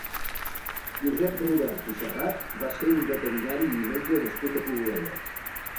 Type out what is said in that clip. Josep Robert i Serrat va ser un veterinari i metge nascut a Poboleda.